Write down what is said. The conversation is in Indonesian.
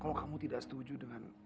kalau kamu tidak setuju dengan